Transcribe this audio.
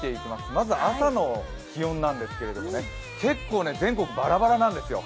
まず朝の気温なんですけど、結構全国バラバラなんですよ。